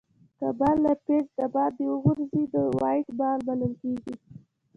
که بال له پيچ دباندي وغورځي؛ نو وایډ بال بلل کیږي.